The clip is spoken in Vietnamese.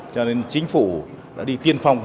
cho nên chính phủ đã đi tiên phong